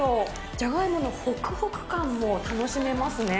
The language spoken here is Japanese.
じゃがいものほくほく感も楽しめますね。